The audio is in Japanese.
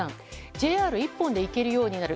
ＪＲ１本で行けるようになる。